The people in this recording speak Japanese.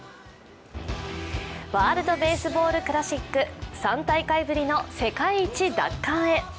ワールドベースボールクラシック、３大会ぶりの世界一奪還へ。